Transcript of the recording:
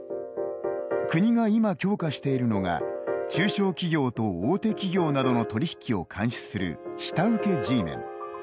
国が今、強化しているのが中小企業と大手企業などの取り引きを監視する下請けＧメン。